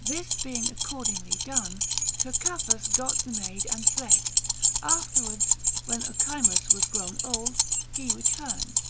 This being accordingly done, Cercaphus got the maid and fled ; afterwards, when Ochimus was grown old, he re turned.